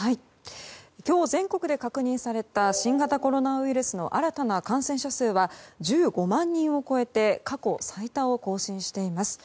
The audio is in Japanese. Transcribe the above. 今日全国で確認された新型コロナウイルスの新たな感染者数は１５万人を超えて過去最多を更新しています。